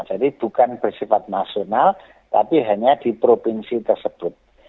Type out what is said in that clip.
jadi bukan bersifat nasional tapi hanya di provinsi tersebut